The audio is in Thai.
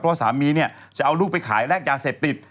เพราะสามีเนี่ยจะเอาลูกไปขายแรกยาเสพติด